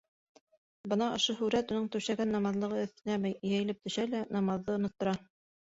Бына ошо һүрәт уның түшәгән намаҙлығы өҫтөнә йәйелеп төшә лә намаҙҙы оноттора.